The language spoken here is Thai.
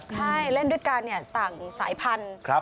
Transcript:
ใช่เล่นด้วยกันเนี่ยสั่งสายพันธุ์ครับ